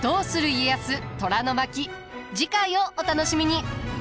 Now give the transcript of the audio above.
次回をお楽しみに。